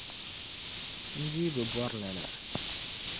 N dii bi bori lala.